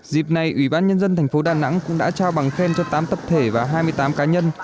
dịp này ủy ban nhân dân thành phố đà nẵng cũng đã trao bằng khen cho tám tập thể và hai mươi tám cá nhân